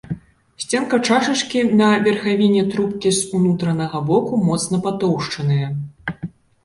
Сценка чашачкі, на верхавіне трубкі з унутранага боку моцна патоўшчаная.